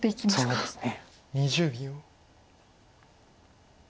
そうですね。